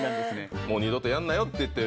もう二度とやんなよっていって。